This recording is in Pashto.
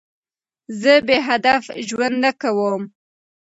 زه بېهدف ژوند نه کوم.